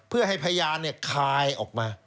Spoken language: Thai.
เพื่อให้พยานคายออกมา